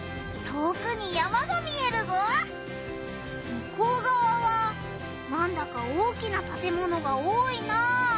むこうがわはなんだか大きなたてものが多いな。